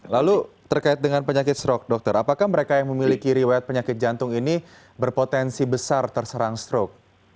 lalu terkait dengan penyakit stroke dokter apakah mereka yang memiliki riwayat penyakit jantung ini berpotensi besar terserang strok